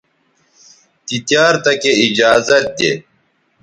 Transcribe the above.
تی تیار تکے ایجازت دے